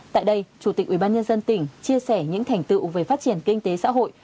tại đây chủ tịch ubnd tỉnh chia sẻ những thành tựu về phát triển kinh tế xã hội